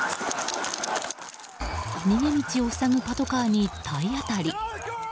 逃げ道を塞ぐパトカーに体当たり。